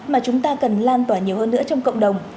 mà chúng ta cần lan tỏa nhiều hơn nữa trong cộng đồng